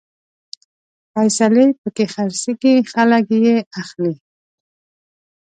فیصلې پکې خرڅېږي، خلک يې اخلي